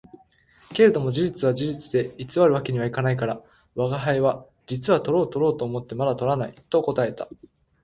けれども事実は事実で偽る訳には行かないから、吾輩は「実はとろうとろうと思ってまだ捕らない」と答えた